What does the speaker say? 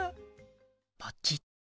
ポチッと。